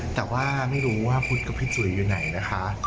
แต่ว่าไม่รู้ว่าพุทธกับพี่จุ๋ยอยู่ไหนนะคะ